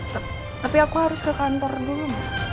tapi aku harus ke kantor dulu